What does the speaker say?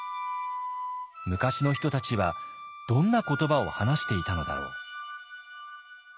昔の人たちはどんな言葉を話していたのだろう？